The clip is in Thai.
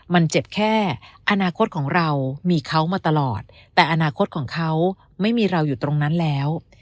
มันเจ็บแค่อนาคตของเรามีเขามาตลอดแต่อนาคตของเขาไม่มีเราอยู่ตรงนั้นแล้ว